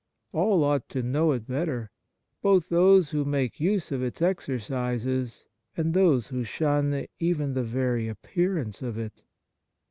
All ought to know it better, both those who make use of its exercises and those who shun even the very appearance of it.